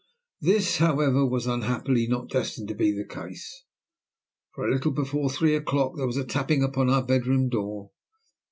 This, however, was unhappily not destined to be the case; for a little before three o'clock, there was a tapping upon our bedroom door.